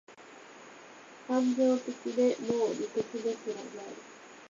感情的で、もう理屈ですらない